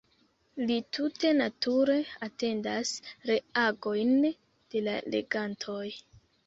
Li tute nature atendas reagojn de la legantoj.